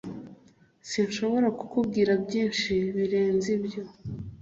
Sinshobora kukubwira byinshi birenze ibyo